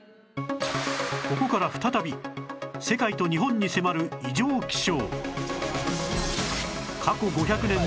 ここから再び世界と日本に迫る異常気象